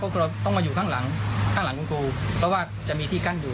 ก็ต้องมาอยู่ข้างหลังครูเพราะว่าจะมีที่กั้นอยู่